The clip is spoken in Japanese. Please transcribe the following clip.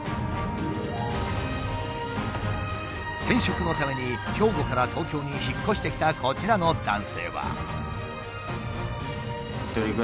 転職のために兵庫から東京に引っ越してきたこちらの男性は。